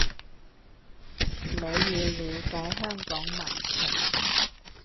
你要了解香港民情